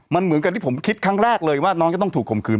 มันเหมือนกับที่ผมคิดครั้งแรกเลยว่าน้องจะต้องถูกข่มขืน